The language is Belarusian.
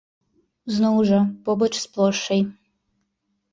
Зноў жа, побач з плошчай.